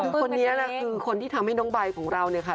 คือคนนี้แหละคือคนที่ทำให้น้องใบของเราเนี่ยค่ะ